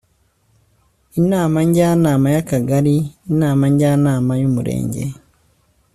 Inama Njyanama y Akagari Inama Njyanama y Umurenge